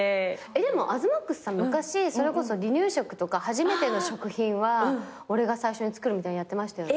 でも東ＭＡＸさん昔それこそ離乳食とか初めての食品は俺が最初に作るみたいなのやってましたよね？